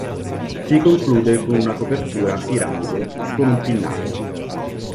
Si conclude con una copertura a piramide con un pinnacolo.